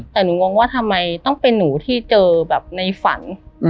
แต่หนูงงว่าทำไมต้องเป็นหนูที่เจอแบบในฝัน